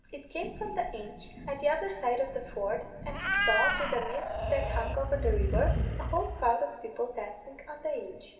It came from the inch at the other side of the ford, and he saw, through the mist that hung over the river, a whole crowd of people dancing on the inch.